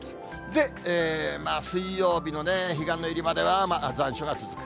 で、水曜日の彼岸の入りまでは、残暑が続く。